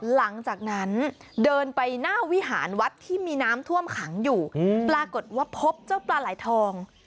หลังจากนั้นเดินไปหน้าวิหารวัดที่มีน้ำท่วมขังอยู่ปรากฏว่าพบเจ้าปลาไหลทอง